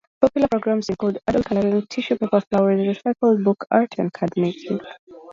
Popular programs include adult coloring, tissue paper flowers, recycled book art, and card making.